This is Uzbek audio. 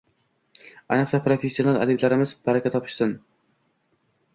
Ayniqsa, professional adiblarimiz, baraka topishsin.